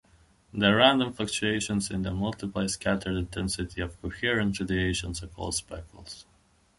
The random fluctuations in the multiply scattered intensity of coherent radiation are called speckles.